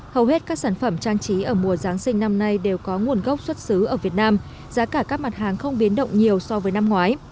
hầu hết các sản phẩm trang trí ở mùa giáng sinh năm nay đều có nguồn gốc xuất xứ ở việt nam giá cả các mặt hàng không biến động nhiều so với năm ngoái